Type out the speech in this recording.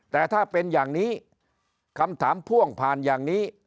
แต่ถ้าเป็นอย่างนี้คำถามพ่วงผ่านอย่างนี้